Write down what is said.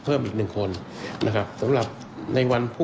ก็มีการออกรูปรวมปัญญาหลักฐานออกมาจับได้ทั้งหมด